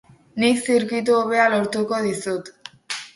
Nik zirkuitu hobea lortuko dizut.